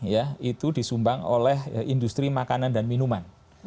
ya itu disumbang oleh industri makanan dan minuman